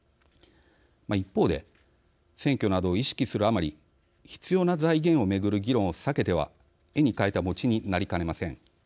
一方で選挙などを意識するあまり必要な財源を巡る議論を避けては絵に描いた餅になりかねません。